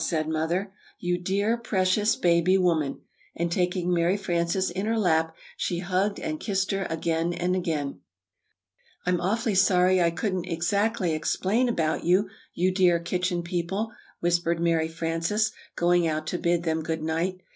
said Mother. "You dear, precious baby woman!" And taking Mary Frances in her lap, she hugged and kissed her again and again. "I'm awfully sorry I couldn't exactly explain about you you dear Kitchen People," whispered Mary Frances, going out to bid them good night.